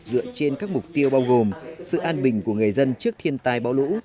dựa trên các mục tiêu bao gồm sự an bình của người dân trước thiên tai bão lũ